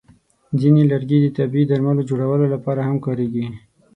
ځینې لرګي د طبیعي درملو جوړولو لپاره هم کارېږي.